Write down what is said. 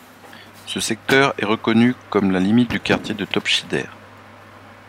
Ce secteur est reconnu comme la limite du quartier de Topčider.